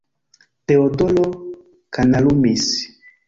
Teodoro kanalumis.